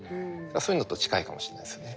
そういうのと近いかもしれないですね。